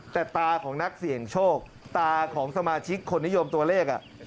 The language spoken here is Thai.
แต่ตาของนักเสี่ยงโชคตาของสมาชิกคนนิยมตัวเลข